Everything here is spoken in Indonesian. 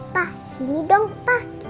pak sini dong pak